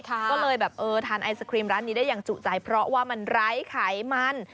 ก็เลยแบบเออทานไอศครีมร้านนี้ได้อย่างจุใจเพราะว่ามันไร้ไขมัน